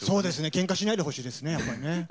けんかしないでほしいですねやっぱりね。